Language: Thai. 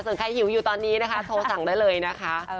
ส่วนใครหิวอยู่ตอนนี้นะคะโทรสั่งได้เลยนะคะ